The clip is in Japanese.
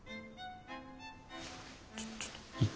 ちょちょっといい？